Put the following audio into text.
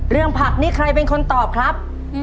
เรื่องผักนี่ใครเป็นคนตอบครับ